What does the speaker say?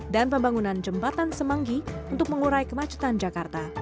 dan pembangunan jembatan semanggi untuk mengurai kemacetan jakarta